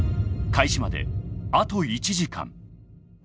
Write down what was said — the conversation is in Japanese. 開始まであと１時間。